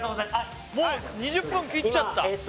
もう２０分切っちゃった